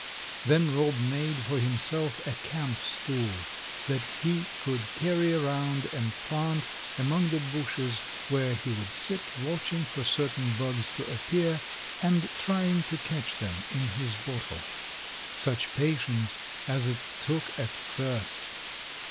Then Rob made for himself a camp stool that he could carry around and plant among the bushes where he would sit watching for certain bugs to appear and trying to catch them in his bottle. Such patience as it took at first!